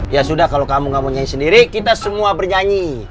ya sudah kalau kamu gak menyanyi sendiri kita semua bernyanyi